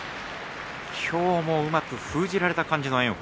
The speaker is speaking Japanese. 今日も、うまく封じられた感じの炎鵬。